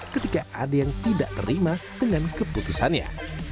ketika ada yang tidak terima dengan keputusannya